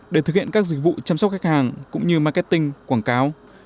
để thực hiện các dịch vụ chăm sóc khách hàng cũng như marketing quảng cáo